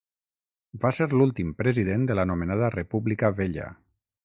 Va ser l'últim president de l'anomenada República Vella.